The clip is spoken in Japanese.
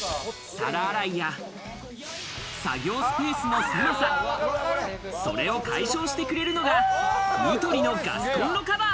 皿洗いや、作業スペースの狭さ、それを解消してくれるのがニトリのガスコンロカバー。